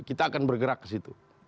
kita akan bergerak ke situ